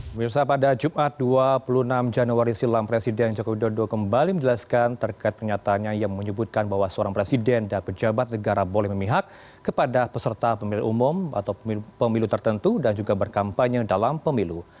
pemirsa pada jumat dua puluh enam januari silam presiden jokowi dodo kembali menjelaskan terkait pernyataannya yang menyebutkan bahwa seorang presiden dan pejabat negara boleh memihak kepada peserta pemilu umum atau pemilu tertentu dan juga berkampanye dalam pemilu